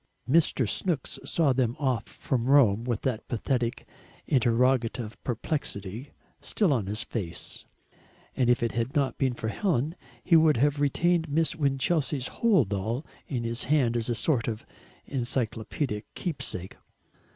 Mr. Snooks saw them off from Rome with that pathetic interrogative perplexity still on his face, and if it had not been for Helen he would have retained Miss Winchelsea's hold all in his hand as a sort of encyclopaedic keepsake.